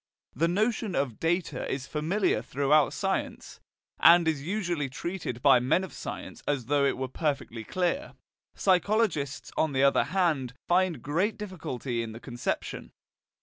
The notion of "data" is familiar throughout science, and is usually treated by men of science as though it were perfectly clear. Psychologists, on the other hand, find great difficulty in the conception.